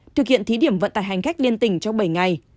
thực hiện thí điểm vận tải hành khách liên tỉnh trong bảy ngày